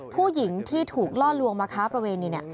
ผู้หญิงที่ถูกล่อลวงมาค้าประเวณี